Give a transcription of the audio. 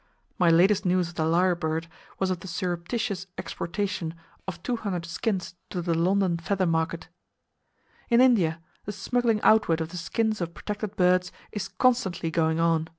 My latest news of the lyre bird was of the surreptitious exportation of 200 skins to the London feather market. In India, the smuggling outward of the skins of protected birds is constantly going on.